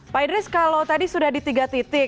pak idris kalau tadi sudah di tiga titik